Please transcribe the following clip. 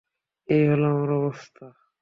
এই হলো আমার অবস্থা।